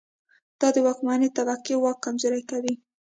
دا د واکمنې طبقې واک کمزوری کوي.